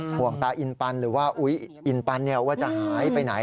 ห่วงตาอินปันหรือว่าอุ๊ยอินปันว่าจะหายไปไหน